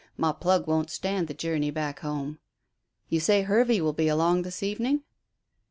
My 'plug' won't stand the journey back home. You say Hervey will be along this evening?"